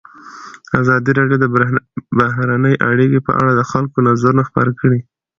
ازادي راډیو د بهرنۍ اړیکې په اړه د خلکو نظرونه خپاره کړي.